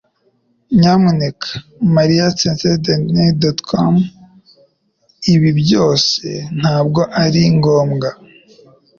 Nyamuneka, Mariyasentencedictcom, ibi byose ntabwo ari ngombwa